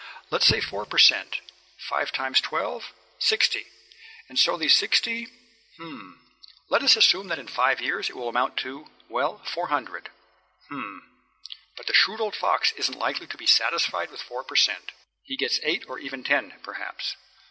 Let's say four per cent five times twelve sixty, and on these sixty . Let us assume that in five years it will amount to well, four hundred. Hm hm! But the shrewd old fox isn't likely to be satisfied with four per cent. He gets eight or even ten, perhaps.